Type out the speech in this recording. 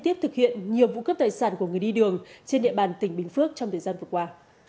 tiếp thực hiện nhiều vụ cướp tài sản của người đi đường trên địa bàn tỉnh bình phước trong thời gian vừa qua